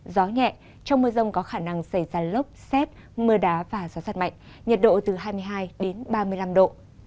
gió nhẹ trong mưa rông có khả năng xảy ra lốc xét mưa đá và gió giật mạnh nhiệt độ từ hai mươi hai đến ba mươi năm độ